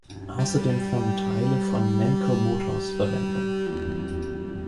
Außerdem fanden Teile von Namco Motors Verwendung.